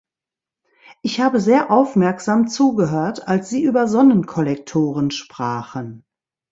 Ich habe sehr aufmerksam zugehört, als Sie über Sonnenkollektoren sprachen.